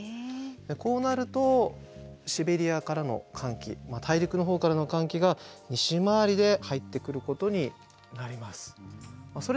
こうなるとシベリアからの寒気大陸の方からの寒気が西回りで入ってくることになります。